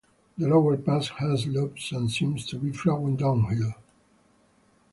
The lower part has lobes and seems to be flowing downhill.